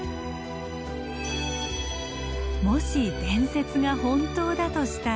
もし伝説が本当だとしたら。